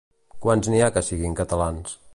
Quants n'hi ha que siguin catalans?